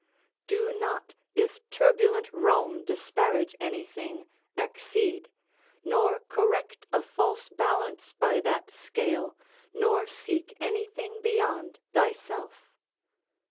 ["Do not, if turbulent Rome disparage anything, accede; nor correct a false balance by that scale; nor seek anything beyond thyself."